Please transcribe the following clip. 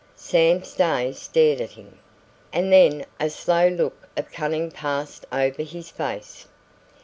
Sam Stay stared at him, and then a slow look of cunning passed over his face.